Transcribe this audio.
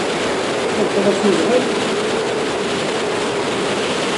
Tḥulfaḍ-as i wezɣal?